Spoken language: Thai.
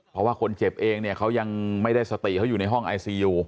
เพราะว่าคนเจ็บเองเนี่ยเขายังไม่ได้สติเขาอยู่ในห้องไอซียู